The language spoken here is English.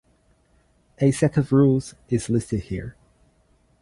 A set of rules is listed here.